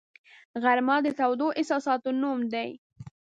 غرمه د تودو احساسونو نوم دی